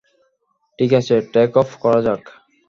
ঠিক আছে, টেক-অফ করা যাক।